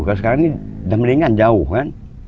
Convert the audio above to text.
kalau sekarang ini damringan jauh kan